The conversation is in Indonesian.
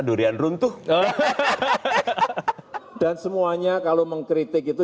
dan semuanya kalau mengkritik itu